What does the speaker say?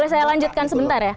saya lanjutkan sebentar ya